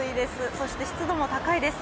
そして湿度も高いです。